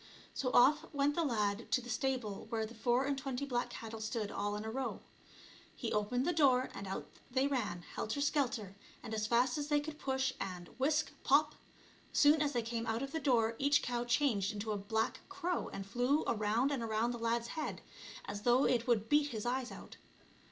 So off went the lad to the stable where the four and twenty black cattle stood all in a row. He opened the door, and out they ran helter skelter and as fast as they could push, and — whisk ! pop !— soon as they came out of the door each cow changed into a black crow and flew around and around the lad's head as though it would beat his eyes out.